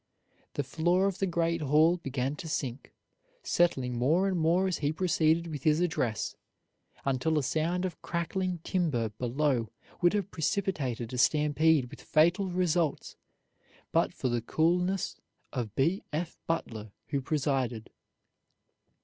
The floor of the great hall began to sink, settling more and more as he proceeded with his address, until a sound of cracking timber below would have precipitated a stampede with fatal results but for the coolness of B. F. Butler, who presided.